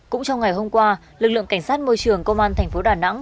cũng trong ngày hôm qua lực lượng cảnh sát môi trường công an tp đà nẵng